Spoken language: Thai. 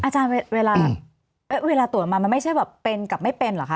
อาจารย์เวลาตรวจมามันไม่ใช่แบบเป็นกับไม่เป็นเหรอคะ